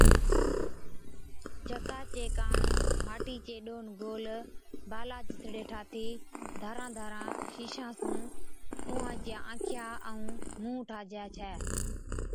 جڪا چي ڪاڻ ماٽِي چي ڏونَ گول بالا جِسڙي ٺاٿِي ڌاران ڌاران شِيشان سُون اُونھان چِيا آنکِيا ائُون مُنھن ٺاهجي ڇَي